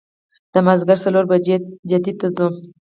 د مازدیګر څلور بجې جدې ته ځو.